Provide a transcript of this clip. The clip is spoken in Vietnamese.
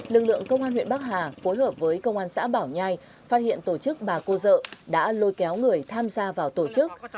lực lượng công an huyện bắc hà phối hợp với công an xã bảo nhai phát hiện tổ chức bà cô dợ đã lôi kéo người tham gia vào tổ chức